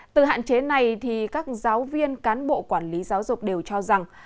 từ hạn chế này các giáo viên cán bộ quản lý giáo dục đều cho rằng